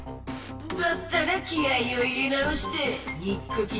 だったら気合いを入れ直してにっくき